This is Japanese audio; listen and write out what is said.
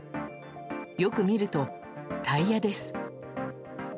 よく見るとタイヤです。